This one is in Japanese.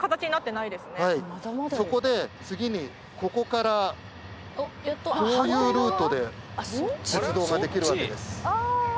そこで次にここからこういうルートで鉄道ができるわけです。